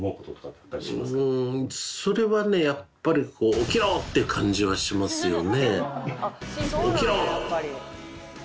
やっぱり「起きろ！」っていう感じはしますよね。